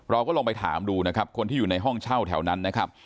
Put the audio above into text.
เราก็ลองไปถามดูนะครับคนที่อยู่ในห้องเช่าแถวนั้นนะครับ